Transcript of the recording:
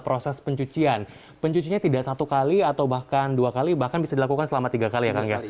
proses pencucian pencucinya tidak satu kali atau bahkan dua kali bahkan bisa dilakukan selama tiga kali ya kang ya